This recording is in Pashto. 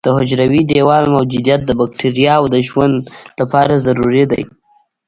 د حجروي دیوال موجودیت د بکټریاوو د ژوند لپاره ضروري دی.